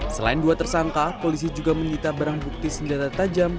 selain dua tersangka polisi juga menyita barang bukti senjata tajam